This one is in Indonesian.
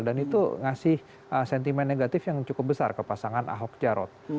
dan itu ngasih sentimen negatif yang cukup besar ke pasangan ahok jarot